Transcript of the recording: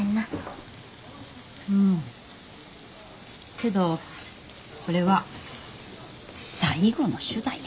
けどそれは最後の手段や。